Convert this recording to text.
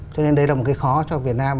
cho nên đây là một cái khó cho việt nam